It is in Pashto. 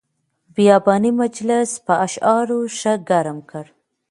بیاباني مجلس په اشعارو ښه ګرم کړ.